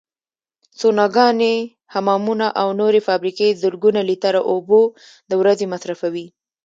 سوناګانې، حمامونه او نورې فابریکې زرګونه لیتره اوبو د ورځې مصرفوي.